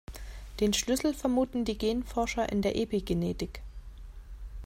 Den Schlüssel vermuten die Genforscher in der Epigenetik.